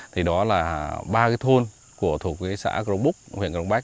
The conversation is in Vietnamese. thì đó là ba thôn của thủ quý xã cấm búc huyện cấm bách